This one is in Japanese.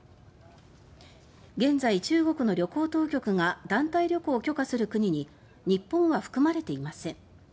現在、中国の旅行当局が団体旅行を許可する国に日本は含まれていません。